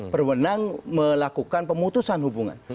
perwenang melakukan pemutusan hubungan